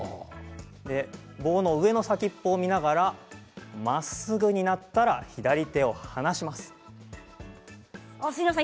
棒の上の先っぽを見ながらまっすぐになったら左手を離します。